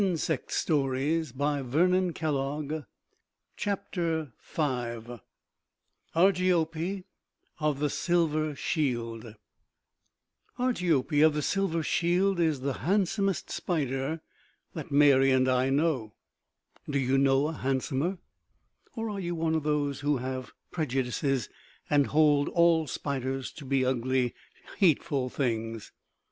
[Illustration: ARGIOPE OF THE SILVER SHIELD] ARGIOPE OF THE SILVER SHIELD Argiope of the Silver Shield is the handsomest spider that Mary and I know. Do you know a handsomer? Or are you of those who have prejudices, and hold all spiders to be ugly, hateful things?